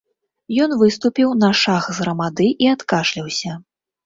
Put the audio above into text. Ён выступіў на шаг з грамады і адкашляўся.